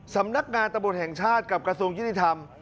สำนักงานตำรวจแห่งชาติกับกระทรวงยุติธรรม